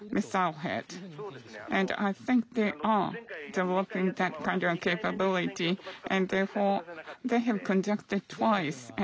そうですね。